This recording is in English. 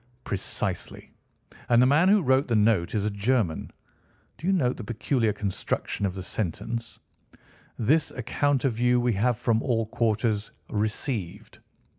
"Precisely. And the man who wrote the note is a German. Do you note the peculiar construction of the sentence—'This account of you we have from all quarters received.